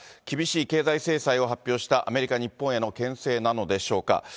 厳しい経済制裁を発表した、アメリカ、日本へのけん制なのでしょうか。